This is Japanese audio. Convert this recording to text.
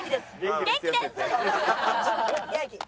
元気です！